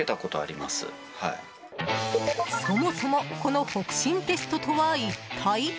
そもそもこの北辰テストとは一体？